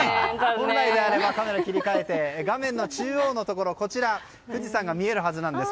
本来であればカメラを切り替えて、画面中央に富士山が見えるはずなんです。